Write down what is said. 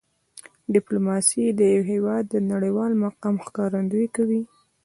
ډیپلوماسي د یو هېواد د نړیوال مقام ښکارندویي کوي.